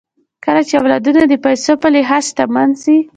کله چې اولادونه د پيسو په لحاظ شتمن سي